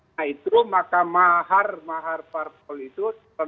nah itu maka mahar mahar partai politik